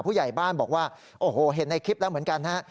ผู้ใหญ่บ้านบอกว่าโอ้โหเห็นในคลิปแล้วเหมือนกันฮะ